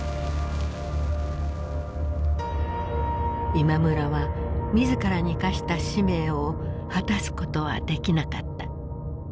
今村は自らに課した使命を果たすことはできなかった。